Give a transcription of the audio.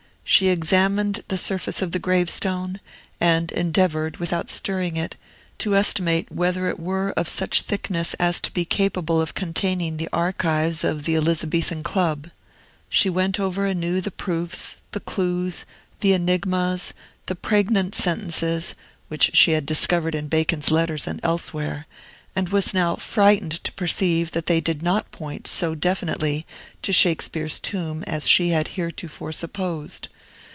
She examined the surface of the gravestone, and endeavored, without stirring it, to estimate whether it were of such thickness as to be capable of containing the archives of the Elizabethan club. She went over anew the proofs, the clews, the enigmas, the pregnant sentences, which she had discovered in Bacon's letters and elsewhere, and now was frightened to perceive that they did not point so definitely to Shakespeare's tomb as she had heretofore supposed.